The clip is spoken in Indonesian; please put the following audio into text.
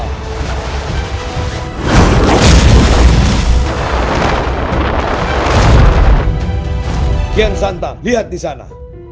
kian santang lihat di sana